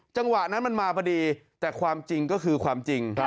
จังหวะนั้นมันมาพอดีแต่ความจริงก็คือความจริง